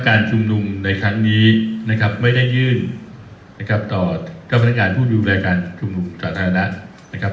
การชุมนุมในครั้งนี้นะครับไม่ได้ยื่นนะครับต่อเจ้าพนักงานผู้ดูแลการชุมนุมสาธารณะนะครับ